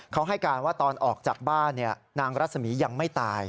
เขาให้การว่าตอนออกจากบ้านนางรัศมีร์ยังไม่ตาย